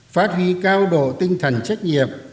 phát huy cao độ tinh thần trách nhiệm